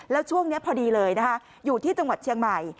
แล้วช่วงนี้พอดีเลยนะคะอยู่ที่จังหวัดเชียงใหม่